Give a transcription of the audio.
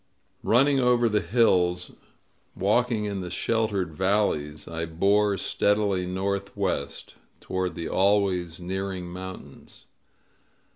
Running over the hills, walking in the sheltered valleys, I bore steadily northwest, toward the always nearing mountains.